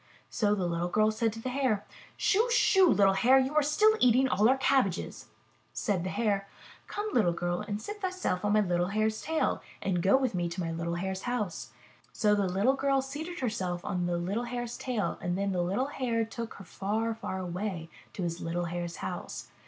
So the little girl said to the Hare: Shoo! Shoo! little Hare, you are still eating all our cabbages." Said the Hare: Come, little girl, and seat thyself on my little Hare's tail and go with me to my little Hare's house." So the little girl seated herself on the little Hare's tail and then the little Hare took her far, far away to his little Hare's house.